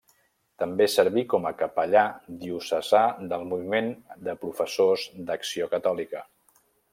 També serví com a capellà diocesà del Moviment de Professors d'Acció Catòlica.